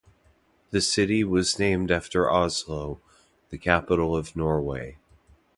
The city was named after Oslo, the capital of Norway.